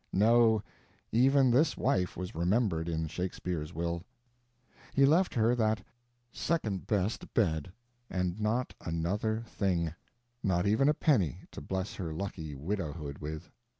No, even this wife was remembered in Shakespeare's will. He left her that "second best bed." And not another thing; not even a penny to bless her lucky widowhood with.